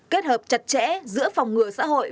kết hợp chặt chẽ giữa phòng ngừa xã hội